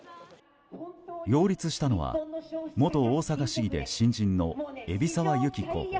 擁立したのは、元大阪市議で新人の海老沢由紀候補。